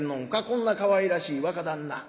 こんなかわいらしい若旦那。